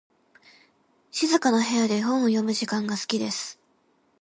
静かな部屋で本を読む時間が好きです。